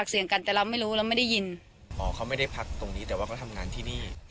เป็นคนแถวนี้ไหมคนอีกที